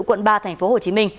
quận ba tp hcm